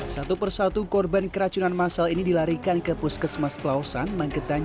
satu persatu korban keracunan masal ini dilarikan ke puskesmas pelausan magetan